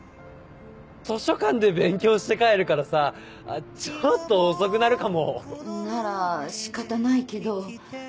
図書館で勉強して帰るからさちょっと遅くなるかも。なら仕方ないけど。